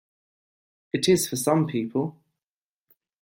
It is for some people.